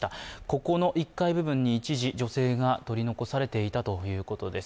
ここの１階部分に一時女性が取り残されていたということです。